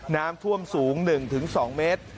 น้ำท่วมสูง๑๒เมตร